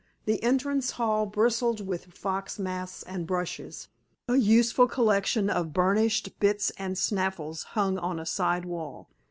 The entrance hall bristled with fox masks and brushes. A useful collection of burnished bits and snaffles hung on a side wall.